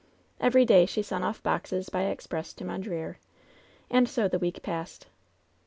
Every day she sent off boxes by express to Mondreer. And so the week passed.